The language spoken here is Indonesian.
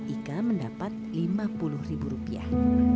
ika mendapat lima puluh ribu rupiah